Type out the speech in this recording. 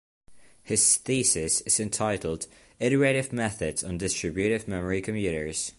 His thesis is entitled "Iterative Methods on Distributive Memory Computers".